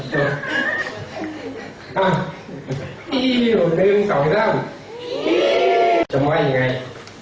ชมว่าดูเป็นความที่ตั้งใจมากมาก